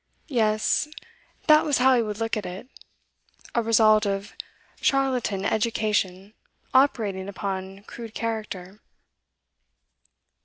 Yes, that was how he would look at it. A result of charlatan 'education' operating upon crude character.